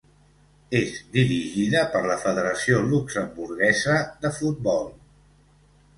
És dirigida per la Federació Luxemburguesa de Futbol.